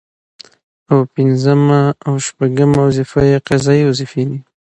او پنځمه او شپومه وظيفه يې قضايي وظيفي دي